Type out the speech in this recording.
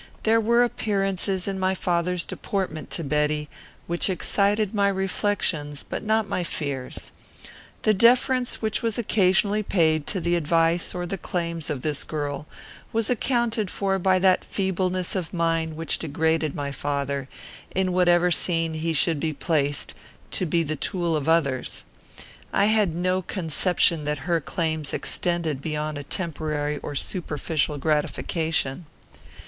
There were appearances in my father's deportment to Betty, which excited my reflections, but not my fears. The deference which was occasionally paid to the advice or the claims of this girl was accounted for by that feebleness of mind which degraded my father, in whatever scene he should be placed, to be the tool of others. I had no conception that her claims extended beyond a temporary or superficial gratification.